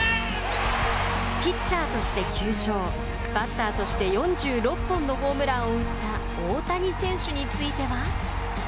ピッチャーとして９勝バッターとして４６本のホームランを打った大谷選手については？